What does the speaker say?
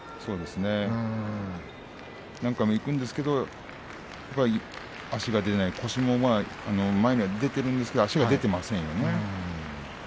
何回もいくんですが足が出ない腰も前には出ているんですが足が出ていませんよね。